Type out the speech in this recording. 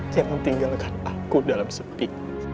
jangan tinggalkan aku dalam sepi